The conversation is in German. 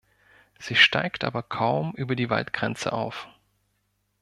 Sie steigt aber kaum über die Waldgrenze auf.